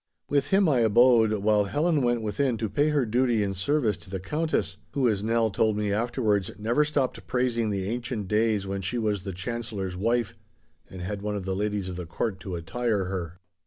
With him I abode while Helen went within to pay her duty and service to the Countess—who, as Nell told me afterwards, never stopped praising the ancient days when she was the Chancellor's wife, and had one of the ladies of the Court to attire her.